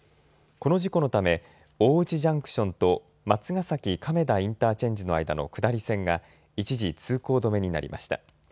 この事故のため大内ジャンクションと松ヶ崎亀田インターチェンジの間の下り線が一時通行止めになりました。